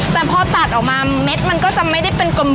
แต่พอตัดออกมาเม็ดมันก็จะไม่ได้เป็นกลม